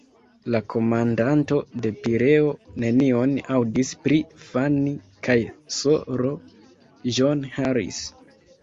La komandanto de Pireo nenion aŭdis pri Fanni kaj S-ro John Harris.